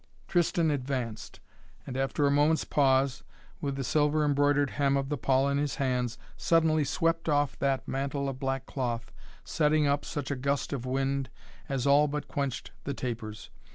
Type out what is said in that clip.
Tristan advanced, and, after a moment's pause, with the silver embroidered hem of the pall in his hands, suddenly swept off that mantle of black cloth, setting up such a gust of wind as all but quenched the tapers.